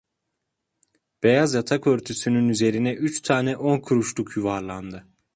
Beyaz yatak örtüsünün üzerine üç tane on kuruşluk yuvarlandı.